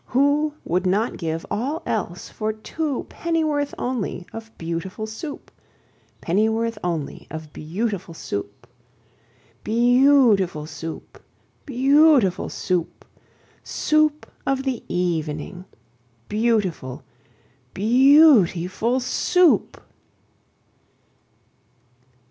Who would not give all else for two Pennyworth only of Beautiful Soup? Pennyworth only of beautiful Soup? Beau ootiful Soo oop! Beau ootiful Soo oop! Soo oop of the e e evening, Beautiful, beauti FUL SOUP!